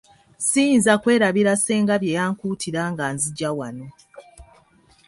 Ssiyinza kwerabira ssenga bye yankuutira nga nzijja wano.